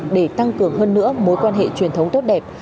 để tăng cường hơn nữa mối quan hệ truyền thống tốt đẹp